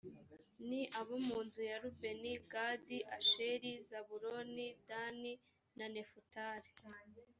ni abo mu nzu ya rubeni, gadi, asheri, zabuloni, dani na nefutali.